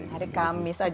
hari kamis aja udah sama itu